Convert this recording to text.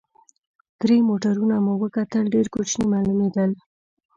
درې موټرونه مو وکتل، ډېر کوچني معلومېدل.